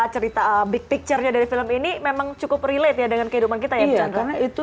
cerita big picture nya dari film ini memang cukup relate ya dengan kehidupan kita ya chan karena itu